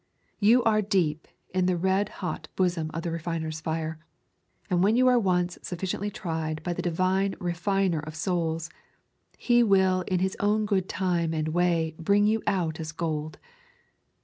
You are deep in the red hot bosom of the refiner's fire. And when you are once sufficiently tried by the Divine Refiner of Souls, He will in His own good time and way bring you out as gold.